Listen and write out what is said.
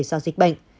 do dịch bệnh